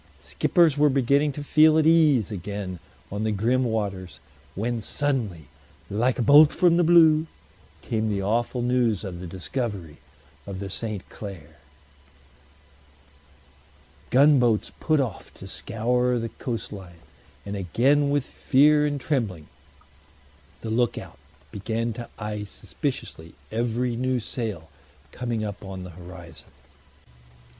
Skippers were beginning to feel at ease again on the grim waters, when suddenly, like a bolt from the blue, came the awful news of the discovery of the St. Clare. Gunboats put off to scour the coast line; and again with fear and trembling the look out began to eye suspiciously every new sail coming up on the horizon.